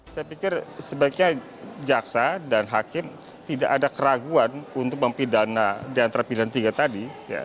saya pikir sebaiknya jaksa dan hakim tidak ada keraguan untuk mempidana di antara pidana tiga tadi